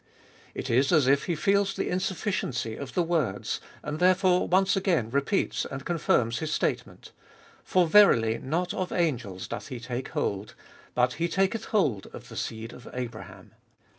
It is as if He feels the insufficiency of the words, and therefore once again repeats and confirms his statement : For verily not of angels doth He take hold, but He taketh hold of the seed of Abraham.